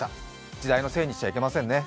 時代のせいにしちゃいけませんね。